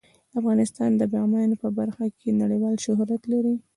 افغانستان د بامیان په برخه کې نړیوال شهرت لري.